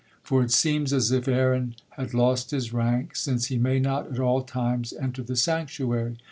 For it seems as if Aaron had lost his rank, since he may not at all times enter the sanctuary.